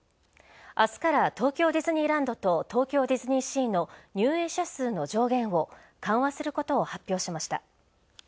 明日から東京ディズニーランドと東京ディズニーシーの入園者数の上限を緩和することを発表しました。